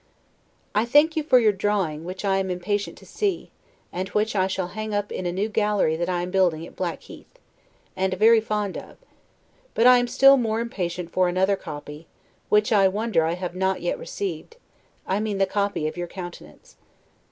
I thank you for your drawing, which I am impatient to see, and which I shall hang up in a new gallery that I am building at Blackheath, and very fond of; but I am still more impatient for another copy, which I wonder I have not yet received, I mean the copy of your countenance.